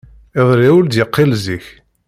Iḍelli ur d-yeqqil zik.